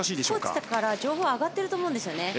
コーチとかから情報が上がっていると思うんですよね